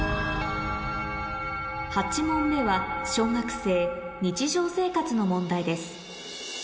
８問目は小学生の問題です